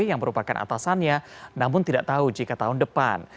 yang merupakan atasannya namun tidak tahu jika tahun depan